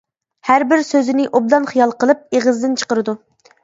ھەر بىر سۆزىنى ئوبدان خىيال قىلىپ ئېغىزىدىن چىقىرىدۇ.